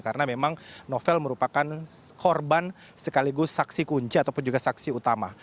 karena memang novel merupakan korban sekaligus saksi kunci ataupun juga saksi utama